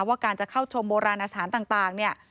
ว่าการจะเข้าชมโบราณสถานต่างเนี่ย